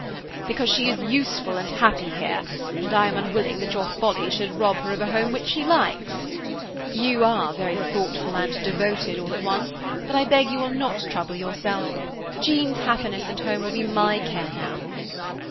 "Because she is useful and happy here, and I am unwilling that your folly should rob her of a home which she likes." "You are very thoughtful and devoted all at once, but I beg you will not trouble yourself. Jean's happiness and home will be my care now."